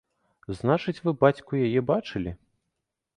Значыць, вы бацьку яе бачылі?